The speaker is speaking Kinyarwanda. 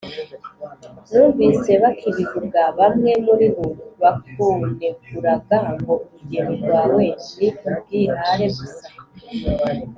numvise bakibivuga, bamwe muri bo bakuneguraga ngo urugendo rwawe ni ubwihare gusa